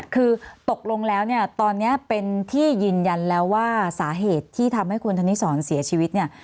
คือตกลงแล้วเนี่ยตอนนี้เป็นที่ยืนยันแล้วว่าสาเหตุที่ทำให้คุณธนิสรเสียชีวิตเนี่ย